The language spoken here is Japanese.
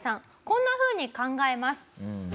こんなふうに考えます。